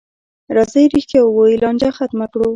راځئ رښتیا ووایو، لانجه ختمه کړو.